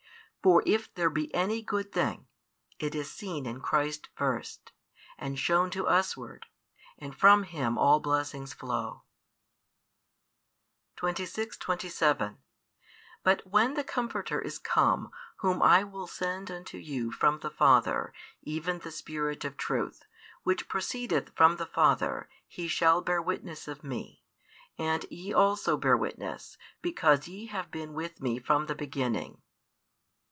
For if there be any good thing, it is seen in Christ first, and shown to us ward; and from Him all blessings flow. 26, 27 But when the Comforter is come, Whom I will send unto you from the Father, even the Spirit of truth, which proceedeth from the Father, He shall bear witness of Me. And ye also bear witness, because ye have been with Me from the beginning.